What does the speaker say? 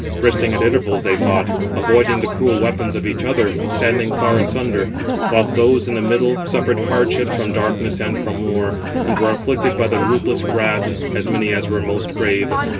Resting at intervals, they fought, avoiding the cruel weapons of each other, standing far asunder; whilst those in the middle suffered hardships from darkness and from war, and were afflicted by the ruthless brass, as many as were most brave.